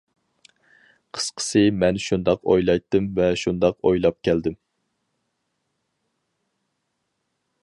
قىسقىسى مەن شۇنداق ئويلايتتىم ۋە شۇنداق ئويلاپ كەلدىم.